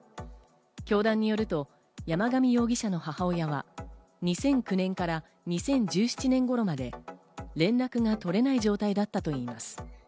教団によると山上容疑者の母親は２００９年から２０１７年頃まで、連絡が取れない状態だったといいます。